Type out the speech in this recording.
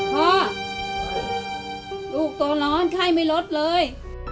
พ่อลูกตัวร้อนไข้ไม่ลดเลย